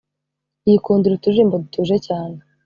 yikundira uturirimbo dutuje cyane